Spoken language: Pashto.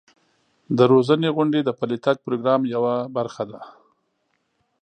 د روزنې غونډې د پلي تګ پروګرام یوه برخه ده.